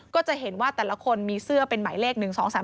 ก็จะเห็นว่าแต่ละคนมีเสื้อเป็นหมายเลข๑๒๓๓